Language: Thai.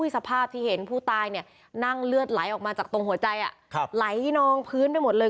สภาพที่เห็นผู้ตายนั่งเลือดไหลออกมาจากตรงหัวใจไหลนองพื้นไปหมดเลย